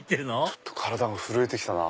ちょっと体が震えてきたな。